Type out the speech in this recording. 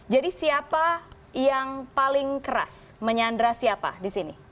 jadi siapa yang paling keras menyandra siapa disini